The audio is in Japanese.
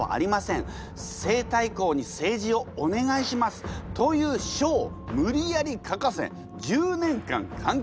西太后にせいじをお願いします』という書をむりやり書かせ１０年間監禁。